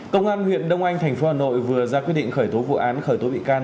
công an huyện đông anh tp hà nội vừa ra quyết định khởi tố vụ án khởi tố bị can